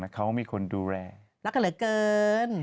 รักกับเหลือเกิน